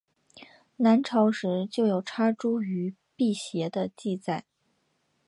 南朝时就有插茱萸辟邪的记载。